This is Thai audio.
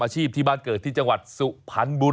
ฮู้ฮู้ฮู้ฮู้ฮู้